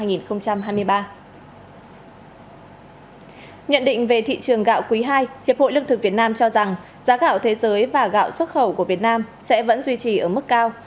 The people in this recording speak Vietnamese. nhận định về thị trường gạo quý ii hiệp hội lương thực việt nam cho rằng giá gạo thế giới và gạo xuất khẩu của việt nam sẽ vẫn duy trì ở mức cao